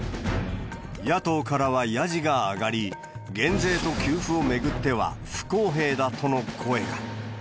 野党からはやじが上がり、減税と給付を巡っては不公平だとの声が。